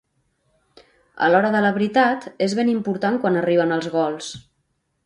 A l'hora de la veritat, és ben important quan arriben els gols.